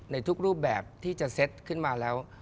ในทุกรูปแบบที่จะเซ็ตขึ้นมาแล้ว